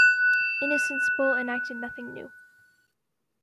Innocent's Bull enacted nothing new.